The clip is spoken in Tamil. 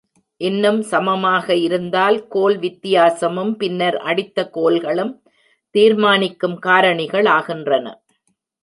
இன்னும் சமமாக இருந்தால், கோல் வித்தியாசமும் பின்னர் அடித்த கோல்களும் தீர்மானிக்கும் காரணிகளாகின்றன.